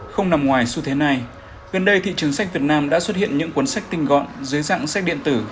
không nằm ngoài xu thế này gần đây thị trường sách việt nam đã xuất hiện những cuốn sách tinh gọn dưới dạng sách điện tử